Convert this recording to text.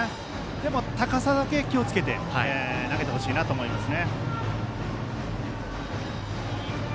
でも、高さだけ気をつけて投げてほしいと思いますね。